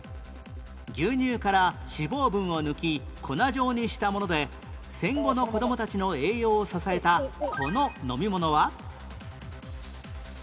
牛乳から脂肪分を抜き粉状にしたもので戦後の子供たちの栄養を支えたこの飲み物は？